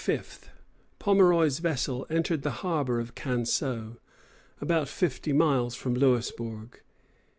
] On Friday, April 5th, Pomeroy's vessel entered the harbor of Canseau, about fifty miles from Louisbourg.